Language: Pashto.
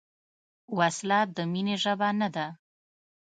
وسله د مینې ژبه نه ده